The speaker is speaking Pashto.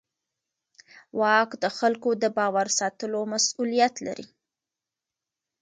واک د خلکو د باور ساتلو مسؤلیت لري.